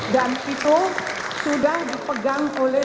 dan itu sudah dipegang oleh